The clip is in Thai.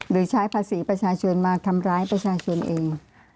โดยใช้ภาษีประชาชนมาทำร้ายประชาชนเอง